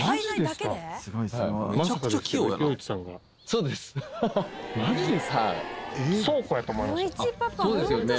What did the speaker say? そうですよね。